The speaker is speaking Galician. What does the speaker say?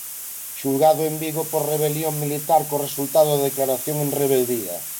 Xulgado en Vigo por rebelión militar co resultado de declaración en rebeldía.